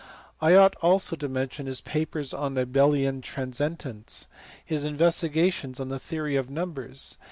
I ought also to mention his papers on Abelian transcendents; his investigations on the theory of numbers (see above, p.